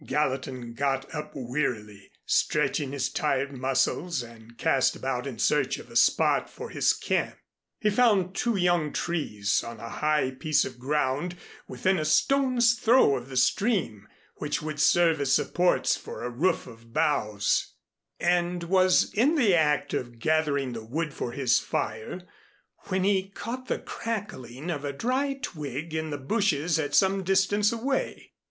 Gallatin got up wearily, stretching his tired muscles and cast about in search of a spot for his camp. He found two young trees on a high piece of ground within a stone's throw of the stream, which would serve as supports for a roof of boughs, and was in the act of gathering the wood for his fire, when he caught the crackling of a dry twig in the bushes at some distance away.